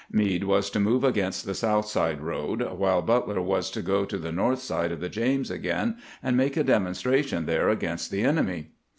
Meade was to move against the South Side road, while Butler was to go to the north side of the James again, and make a demonstration there against the enemy.